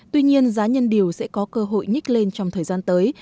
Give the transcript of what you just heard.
tuy nhiên giá nhân điều sẽ có cơ hội nhích lên trong thời gian tới